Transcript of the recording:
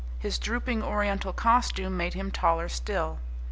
His drooping Oriental costume made him taller still.